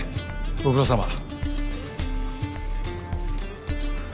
ご苦労さま。